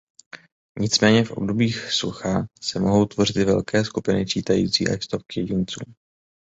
Nicméně v obdobích sucha se mohou tvořit i velké skupiny čítající až stovky jedinců.